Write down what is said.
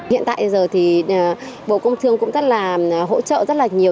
hiện tại giờ thì bộ công thương cũng rất là hỗ trợ rất là nhiều